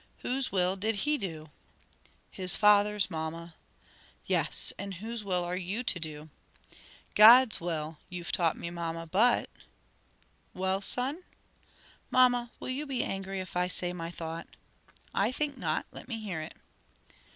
Whose will did he do?" "His Father's, mamma." "Yes, and whose will are you to do?" "God's will, you've taught me, mamma, but " "Well, son?" "Mamma, will you be angry if I say my thought?" "I think not: let me hear it."